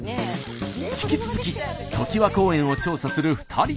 引き続きときわ公園を調査する２人。